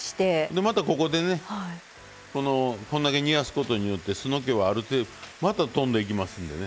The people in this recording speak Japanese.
でまたここでねこんだけ煮やすことによって酢のけはある程度またとんでいきますんでね。